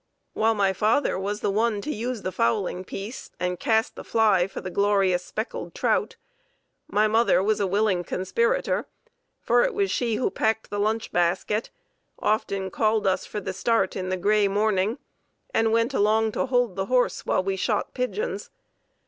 While my father was the one to use the fowling piece and cast the fly for the glorious speckled trout, my mother was a willing conspirator, for it was she who packed the lunch basket, often called us for the start in the gray morning, and went along to "hold the horse" while we shot pigeons.